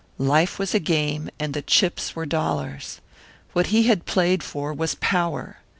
Life was a game, and the chips were dollars! What he had played for was power!